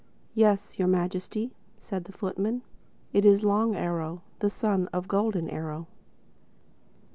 "Yes, Your Majesty," said the footman. "It is Long Arrow, the son of Golden Arrow."